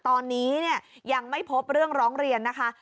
ตอนนี้ยังไม่พบเรื่องร้องเรียนนะคะ